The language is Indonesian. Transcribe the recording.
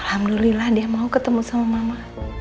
alhamdulillah dia mau ketemu sama mama